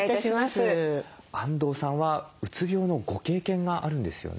安藤さんはうつ病のご経験があるんですよね？